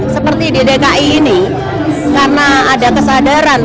seperti di dki ini karena ada kesadaran